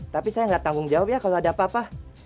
tapi saya nggak tanggung jawab ya kalau ada apa apa